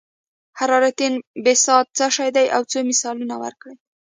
حرارتي انبساط څه شی دی او څو مثالونه ورکړئ.